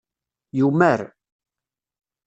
Yumar.